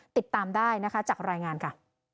ติดตามได้นะคะจากรายงานค่ะ